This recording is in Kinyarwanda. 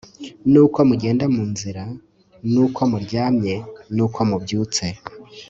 nuko mugenda mu nzira nuko muryamye nuko mubyutse